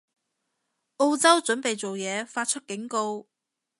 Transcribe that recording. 澳洲準備做嘢，發出警告